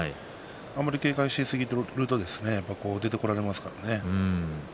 あまり警戒しすぎていると出てこられますからね。